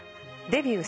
デビュー。